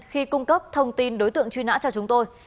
khi cung cấp thông tin đối tượng truy nã cho chúng tôi